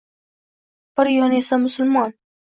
Bir yon esa musulmon.